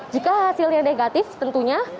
jika hasilnya negatif tentunya